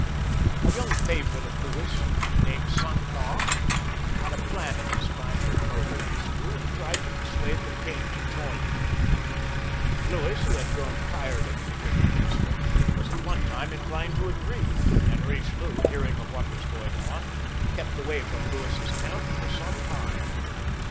A young favourite of Louis, named Cinq Mars, made a plan at this time to murder Bichelieu, and tried to persuade the king to join in it. L^uis, who had grown tired of his great minister, was at one time inclined to agree, and Bichelieu, hearing of what was going on, kept away from Louis's camp for some time.